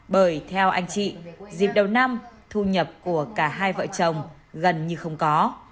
bởi theo anh chị dịp đầu năm thu nhập của cả hai vợ chồng gần như không có